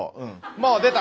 もう出た！